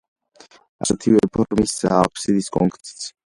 ასეთივე ფორმისაა აფსიდის კონქიც.